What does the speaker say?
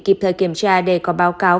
kịp thời kiểm tra để có báo cáo